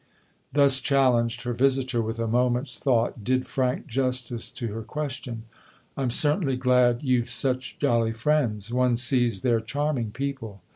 " Thus challenged, her visitor, with a moment's thought, did frank justice to her question. " I'm certainly glad you've such jolly friends one sees they're charming people.